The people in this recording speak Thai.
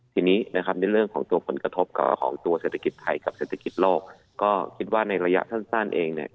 ทีนี้นะครับในเรื่องของตัวผลกระทบกับของตัวเศรษฐกิจไทยกับเศรษฐกิจโลกก็คิดว่าในระยะสั้นเองเนี่ย